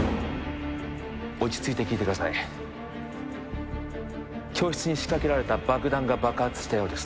落ち着いて聞いてください教室に仕掛けられた爆弾が爆発したようです